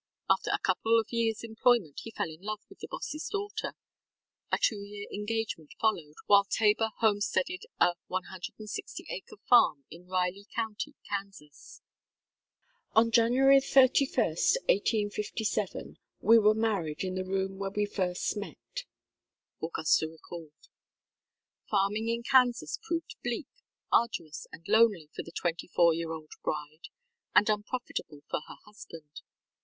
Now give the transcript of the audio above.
After a couple of yearsŌĆÖ employment he fell in love with the bossŌĆÖs daughter. A two year engagement followed while Tabor homesteaded a 160 acre farm in Riley County, Kansas. ŌĆ£On January 31, 1857, we were married in the room where we first met, ŌĆØ Augusta recalled. Farming in Kansas proved bleak, arduous and lonely for the twenty four year old bride, and unprofitable for her husband.